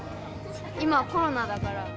今、コロナだから。